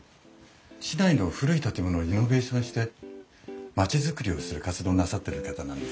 市内の古い建物をリノベーションして町づくりをする活動をなさってる方なんですよ。